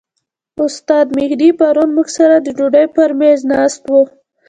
استاد مهدي پرون موږ سره د ډوډۍ پر میز ناست و.